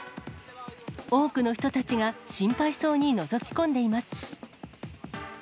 多くの人たちが心配そうにのぞき込んでいます。